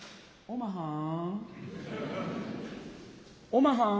「おまはん？」。